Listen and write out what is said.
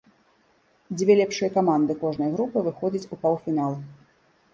Дзве лепшыя каманды кожнай групы выходзяць у паўфінал.